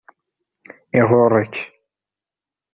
Iɣurr-ik.